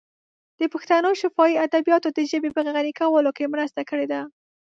د پښتنو شفاهي ادبیاتو د ژبې په غني کولو کې مرسته کړې ده.